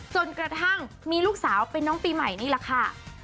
จนกระทั่งมีลูกสาวเป็นน้องปีใหม่นี่แหละค่ะ